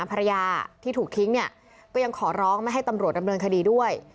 ภรรยาที่ถูกทิ้งเนี่ยก็ยังขอร้องไม่ให้ตำรวจดำเนินคดีด้วย